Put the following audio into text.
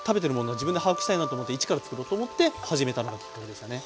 自分で把握したいなと思って一からつくろうと思って始めたのがきっかけでしたね。